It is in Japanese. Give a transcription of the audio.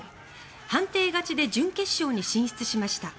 判定勝ちで準決勝に進出しました。